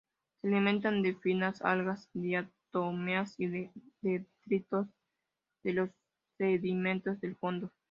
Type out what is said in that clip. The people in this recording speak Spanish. Se alimentan de finas algas, diatomeas y de detritos de los sedimentos del fondo.